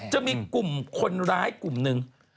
จะมีกลุ่มคนร้ายกลุ่มหนึ่ง